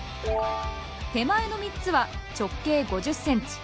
手前の３つは直径５０センチ。